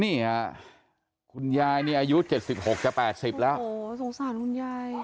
นี่อ่ะคุณยายนี่อายุเจ็ดสิบหกจะแปดสิบแล้วโอ้โหสงสารคุณยาย